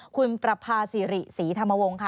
คุณประภาษีริศรีธรรมวงศ์ค่ะ